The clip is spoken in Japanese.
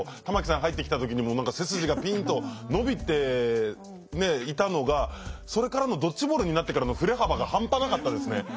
玉木さん入ってきた時にも何か背筋がピンと伸びていたのがそれからのドッジボールになってからの振れ幅が半端なかったですね。